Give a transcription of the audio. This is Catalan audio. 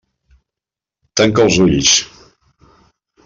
Tanca els ulls.